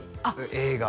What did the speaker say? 映画？